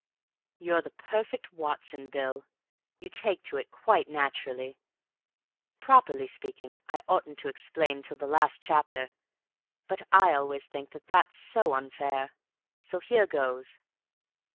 "You're the perfect Watson, Bill. You take to it quite naturally. Properly speaking, I oughtn't to explain till the last chapter, but I always think that that's so unfair. So here goes.